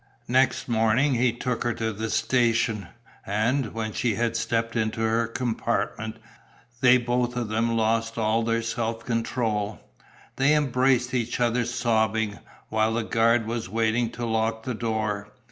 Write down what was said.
Next morning he took her to the station. And, when she had stepped into her compartment, they both of them lost all their self control. They embraced each other sobbing, while the guard was waiting to lock the door.